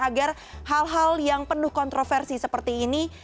agar hal hal yang penuh kontroversi seperti ini